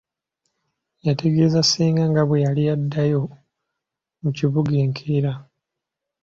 Yategeeza ssenga nga bwe yali addayo mu kibuga enkeera.